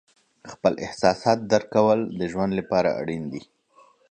خپل احساسات درک کول د ژوند لپاره اړین دي.